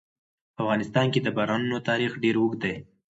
په افغانستان کې د بارانونو تاریخ ډېر اوږد دی.